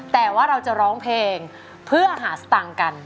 แต่ว่าเราจะร้องเพลงเพื่อหาสตางค์กัน